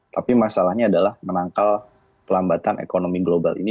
tapi masalahnya adalah menangkal pelambatan ekonomi global ini